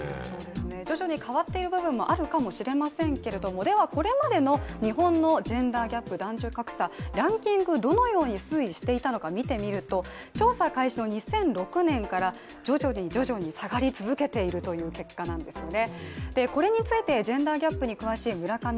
徐々に変わっている部分もあるかもしれませんが、日本のこれまでのジェンダーギャップ、男女格差、ランキング、どのように推移していたのかを見てみると調査開始の２００６年から徐々に徐々に下がり続けているという結果なんですよね。